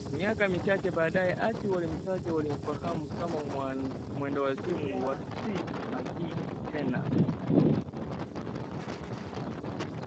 Miaka michache baadaye, ati waliomtaja walimfahamu kama mwendawazimu wa si Maggie tena